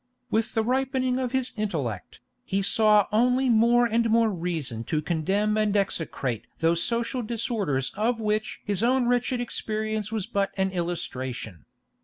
With the ripening of his intellect, he saw only more and more reason to condemn and execrate those social disorders of which his own wretched experience was but an illustration.